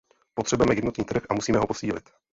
Potřebujeme jednotný trh a musíme ho posílit.